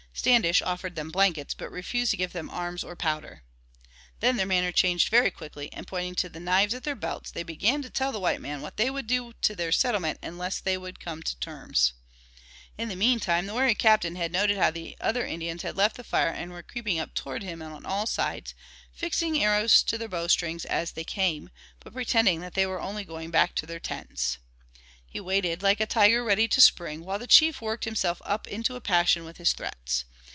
Standish offered them blankets but refused to give them arms or powder. Then their manner changed very quickly, and pointing to the knives at their belts they began to tell the white men what they would do to their settlement unless they would come to terms. In the meantime the wary Captain had noted how the other Indians had left the fire and were creeping up towards him on all sides, fixing arrows to their bowstrings as they came, but pretending that they were only going back to their tents. He waited, like a tiger ready to spring, while the chief worked himself up into a passion with his threats.